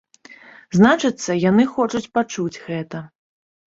Значыцца, яны хочуць пачуць гэта.